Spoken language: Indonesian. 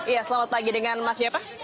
iya selamat pagi dengan mas jafa